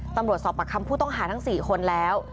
ตำรวจสอบประคำผู้ต้องหาทั้ง๔คนแล้ว